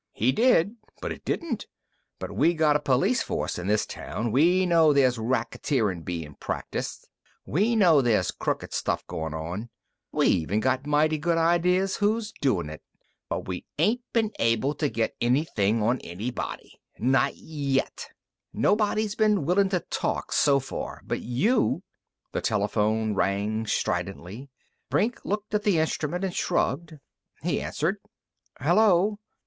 He did but it didn't. But we got a police force in this town! We know there's racketeerin' bein' practiced. We know there's crooked stuff goin' on. We even got mighty good ideas who's doin' it. But we ain't been able to get anything on anybody. Not yet. Nobody's been willin' to talk, so far. But you " The telephone rang stridently. Brink looked at the instrument and shrugged. He answered. "Hello....